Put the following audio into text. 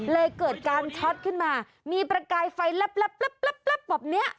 เกิดการช็อตขึ้นมามีประกายไฟแลบแบบนี้